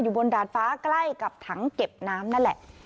บนดาดฟ้าใกล้กับถังเก็บน้ำนั่นแหละ